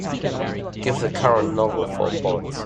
Give the current novel four points.